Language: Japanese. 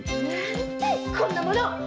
こんなもの。